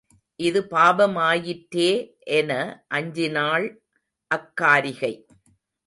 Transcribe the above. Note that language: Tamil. இது பாபமாயிற்றே என அஞ்சினள் அக்காரிகை.